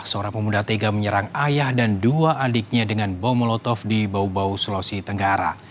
seorang pemuda tega menyerang ayah dan dua adiknya dengan bom molotov di bau bau sulawesi tenggara